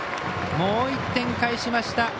もう１点、返しました。